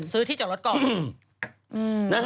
ที่จอดรถก่อน